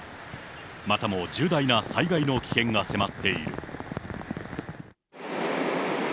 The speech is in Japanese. またも重大な災害の危険が迫っている。